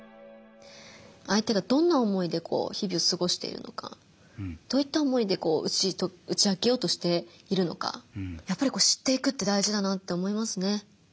相手がどんな思いでこう日々を過ごしているのかどういった思いでこう打ち明けようとしているのかやっぱり知っていくって大事だなって思いますね。